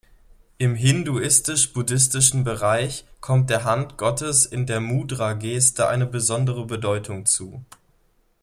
Im hinduistisch-buddhistischen Bereich kommt der Hand Gottes in der Mudra-Geste eine besondere Bedeutung zu.